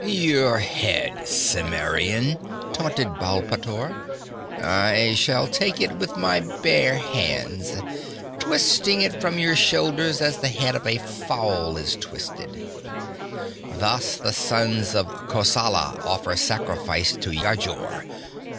'Your head, Cimmerian!' taunted Baal pteor. 'I shall take it with my bare hands, twisting it from your shoulders as the head of a fowl is twisted! Thus the sons of Kosala offer sacrifice to Yajur.